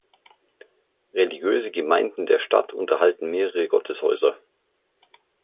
Religiöse Gemeinden der Stadt unterhalten mehrere Gotteshäuser.